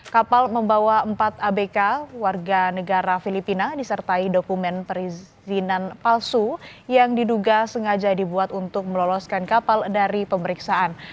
kapal membawa empat abk warga negara filipina disertai dokumen perizinan palsu yang diduga sengaja dibuat untuk meloloskan kapal dari pemeriksaan